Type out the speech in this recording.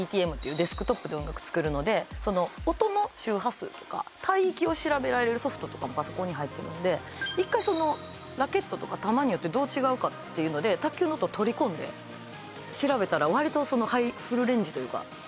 デスクトップで音楽作るのでその音の周波数とか帯域を調べられるソフトとかもパソコンに入ってるんで一回ラケットとか球によってどう違うかっていうので卓球の音取り込んで調べたら割とそのフルレンジというか低音も中音域も割と出てるという感じで